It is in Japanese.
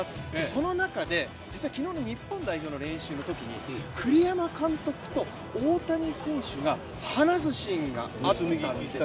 その中で、実は昨日の日本代表の練習のときに栗山監督と、大谷選手が話すシーンがあったんです。